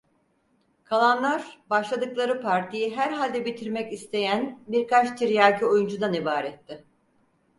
Kalanlar başladıkları partiyi herhalde bitirmek isteyen birkaç tiryaki oyuncudan ibaretti.